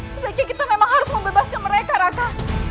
sebaiknya kita memang harus membebaskan mereka raka